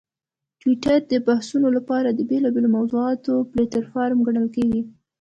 ټویټر د بحثونو لپاره د بېلابېلو موضوعاتو پلیټفارم ګڼل کېږي.